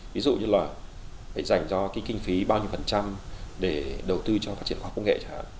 ví dụ như là phải dành cho kinh phí bao nhiêu phần trăm để đầu tư cho phát triển khoa học công nghệ